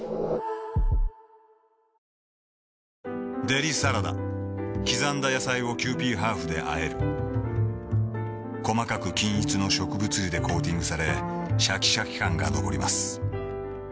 デリサラダ刻んだ野菜をキユーピーハーフであえる細かく均一の植物油でコーティングされシャキシャキ感が残ります